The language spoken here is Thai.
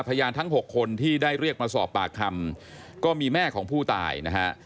พยานทั้ง๖คนที่ได้เรียกมาสอบปากคำก็มีแม่ของผู้ตายนะฮะ